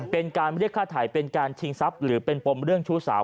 เป็นการเรียกค่าถ่ายเป็นการชิงทรัพย์หรือเป็นปมเรื่องชู้สาว